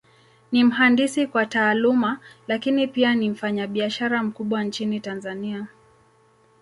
Ni mhandisi kwa Taaluma, Lakini pia ni mfanyabiashara mkubwa Nchini Tanzania.